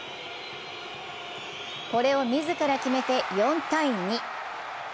これを自ら決めて４−２。